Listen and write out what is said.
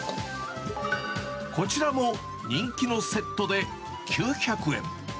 こちらも人気のセットで、９００円。